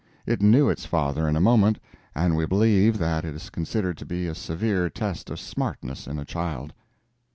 It knew its father in a moment, and we believe that is considered to be a severe test of smartness in a child.